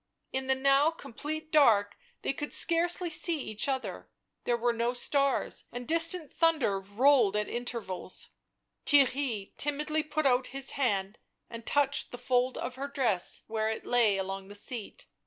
In the now complete dark they could scarcely see each other ; there were no stars, and distant thunder rolled at intervals; Theirry timidly put out his hand and touched the fold of her dress where it lay along the seat.